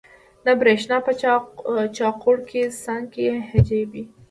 نه برېښنا په چاقوړک، سانکۍ ججي وو